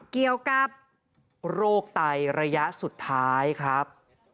เกี่ยวกับโรคไตระยะสุดท้ายครับ